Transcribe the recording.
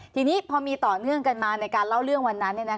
ทีนี้พอมีต่อเนื่องกันมาในการเล่าเรื่องวันนั้น